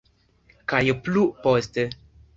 Kaj plu poste.